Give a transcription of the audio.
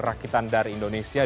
rakitan dari indonesia